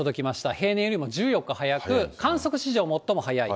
平年よりも１４日早く、観測史上最も早い。